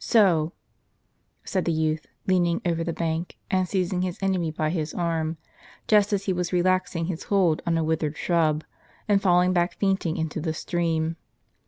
So !" said the youth, leaning over the bank and seizing his enemy by his arm, just as he was relaxing his hold on a withered shrub, and falling back fainting into the stream.